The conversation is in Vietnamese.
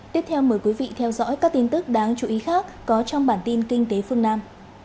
tiếp theo mời quý vị theo dõi các tin tức đáng chú ý khác có trong bản tin kinh tế phương nam